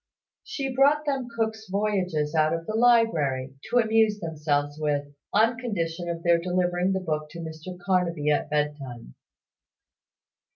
She brought them Cook's Voyages out of the library, to amuse themselves with, on condition of their delivering the book to Mr Carnaby at bedtime.